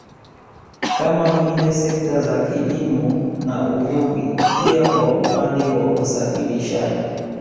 Kama vile sekta za kilimo na uvuvi pia kwa upande wa usafirishaji